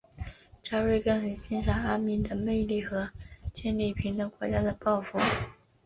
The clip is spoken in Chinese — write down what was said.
加瑞根很欣赏阿敏的魅力和建立平等国家的抱负。